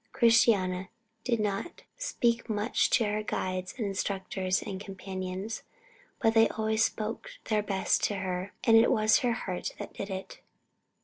Christiana did not speak much to her guides and instructors and companions, but they always spoke their best to her, and it was her heart that did it.